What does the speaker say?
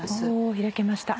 開けました。